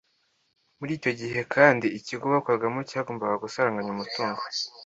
Muri icyo gihe kandi ikigo bakoragamo cyagombaga gusaranganya umutungo